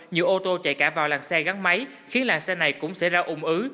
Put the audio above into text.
nhiều ô tô chạy cả vào làng xe gắn máy khiến làng xe này cũng xảy ra ủng ứ